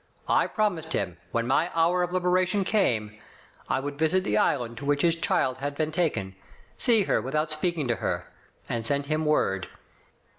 I promised him, when my hour of liberation came, I would visit the island to which his child had been taken, see her without speaking to her, and send him word.